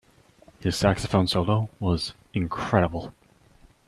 His saxophone solo was incredible.